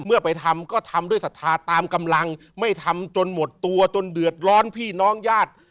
ไปทำก็ทำด้วยศรัทธาตามกำลังไม่ทำจนหมดตัวจนเดือดร้อนพี่น้องญาติ